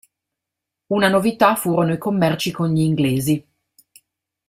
Una novità furono i commerci con gli inglesi.